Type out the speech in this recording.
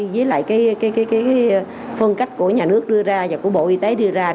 với lại phân cách của nhà nước đưa ra và của bộ y tế đưa ra